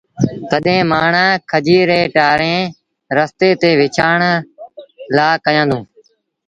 تڏهيݩٚ مآڻهآنٚ کجيٚ رينٚ ٽآرينٚ رستي تي وڇآڻ لآ کيآندوݩ